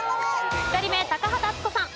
１人目高畑淳子さん。